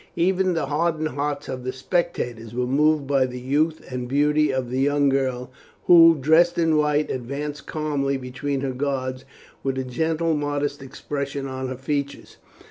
Even the hardened hearts of the spectators were moved by the youth and beauty of the young girl, who, dressed in white, advanced calmly between her guards, with a gentle modest expression on her features.